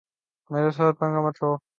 میرے ساتھ پنگا مت لو۔